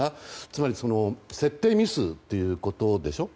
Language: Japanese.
つまり設定ミスということでしょ。